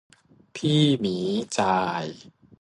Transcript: พี่หมีจ่าย